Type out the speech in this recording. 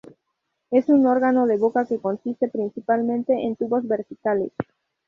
Es un órgano de boca que consiste principalmente en tubos verticales.